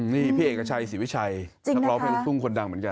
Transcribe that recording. นี่พี่เอกชัยศรีวิชัยนักร้องเพลงลูกทุ่งคนดังเหมือนกัน